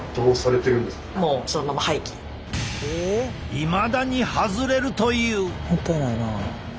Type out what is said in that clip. いまだに外れるという。